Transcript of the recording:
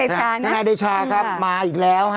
ทนายเดชาครับมาอีกแล้วฮะ